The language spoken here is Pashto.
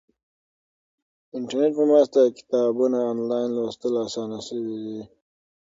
د انټرنیټ په مرسته کتابونه آنلاین لوستل اسانه شوي.